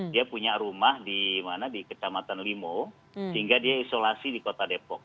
dia punya rumah di kecamatan limu sehingga dia isolasi di kota depok